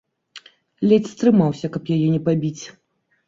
Ледзь стрымаўся, каб яе не пабіць.